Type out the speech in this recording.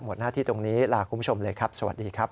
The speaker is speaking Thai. หน้าที่ตรงนี้ลาคุณผู้ชมเลยครับสวัสดีครับ